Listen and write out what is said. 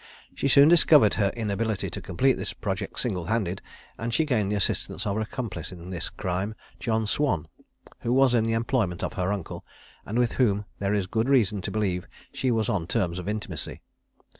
She soon discovered her inability to complete this project single handed, and she gained the assistance of her accomplice in the crime, John Swan, who was in the employment of her uncle, and with whom there is good reason to believe she was on terms of intimacy.